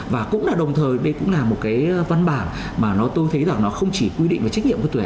và cũng là đồng thời đây cũng là một cái văn bản mà tôi thấy là nó không chỉ quy định về trách nhiệm của tuổi